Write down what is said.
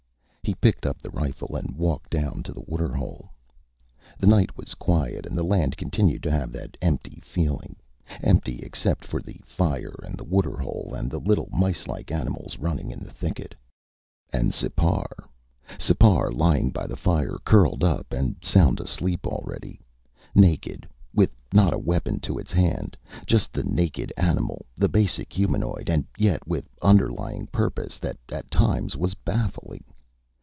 He picked up the rifle and walked down to the waterhole. The night was quiet and the land continued to have that empty feeling. Empty except for the fire and the waterhole and the little micelike animals running in the thicket. And Sipar Sipar lying by the fire, curled up and sound asleep already. Naked, with not a weapon to its hand just the naked animal, the basic humanoid, and yet with underlying purpose that at times was baffling.